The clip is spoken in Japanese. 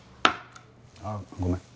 あっごめん。